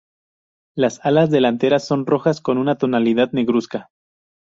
Las alas delanteras son rojas con una tonalidad negruzca.